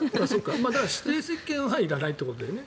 だから、指定席券はいらないということだよね。